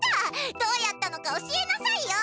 どうやったのか教えなさいよ。